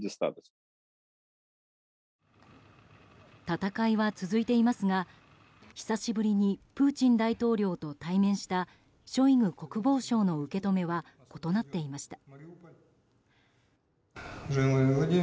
戦いは続いていますが久しぶりにプーチン大統領と対面したショイグ国防相の受け止めは異なっていました。